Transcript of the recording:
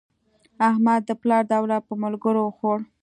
احمد د پلار دولت په ملګرو وخوړ.